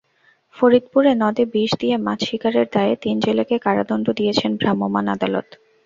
ফরিদপুরে নদে বিষ দিয়ে মাছ শিকারের দায়ে তিন জেলেকে কারাদণ্ড দিয়েছেন ভ্রাম্যমাণ আদালত।